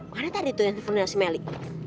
ternyata ada itu yang dihubungin sama si meli